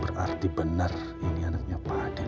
berarti benar ini anaknya pak ade